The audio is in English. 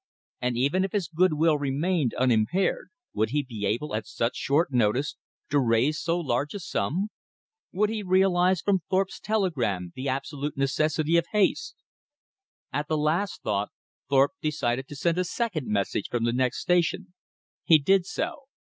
And even if his good will remained unimpaired, would he be able, at such short notice, to raise so large a sum? Would he realize from Thorpe's telegram the absolute necessity of haste? At the last thought, Thorpe decided to send a second message from the next station. He did so.